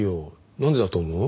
なんでだと思う？